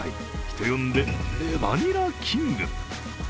人呼んでレバニラキング。